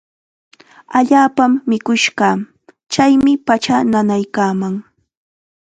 Allaapam mikush kaa. Chaymi pachaa nanaykaaman.